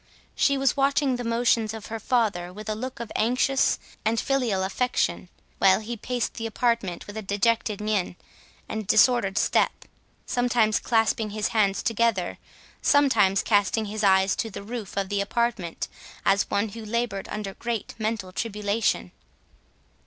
She was watching the motions of her father with a look of anxious and filial affection, while he paced the apartment with a dejected mien and disordered step; sometimes clasping his hands together—sometimes casting his eyes to the roof of the apartment, as one who laboured under great mental tribulation.